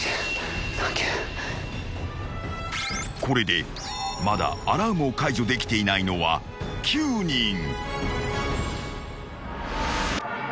［これでまだアラームを解除できていないのは９人］